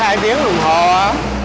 hai tiếng đồng hồ á